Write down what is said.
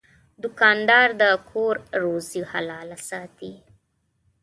دوکاندار د کور روزي حلاله ساتي.